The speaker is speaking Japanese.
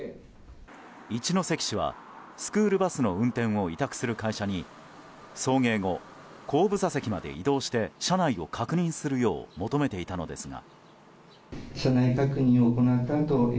一関市は、スクールバスの運転を委託する会社に送迎後、後部座席まで移動して車内を確認するよう求めていたのですが。